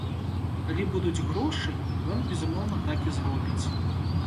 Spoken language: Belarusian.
Калі будуць грошы, ён, безумоўна, так і зробіць.